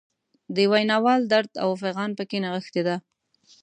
د ویناوال درد او فعان پکې نغښتی دی.